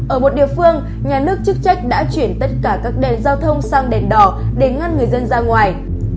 ở một địa phương nhà nước chức trách đã chuyển tất cả các đèn giao thông sang đèn đỏ để ngăn người dân ra ngoài